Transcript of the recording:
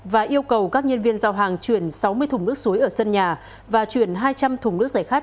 và yêu cầu các nhân viên giao hàng chuyển sáu mươi thùng nước suối ở sân nhà và chuyển hai trăm linh thùng nước giải khát